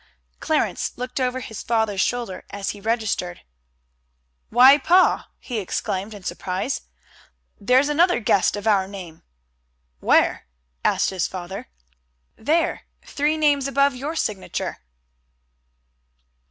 Clarence looked over his father's shoulder as he registered. "Why, pa," he exclaimed in surprise, "there's another guest of our name." "Where?" asked his father. "There, three names above your signature."